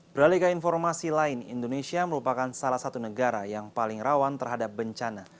beralih ke informasi lain indonesia merupakan salah satu negara yang paling rawan terhadap bencana